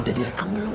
udah direkam belum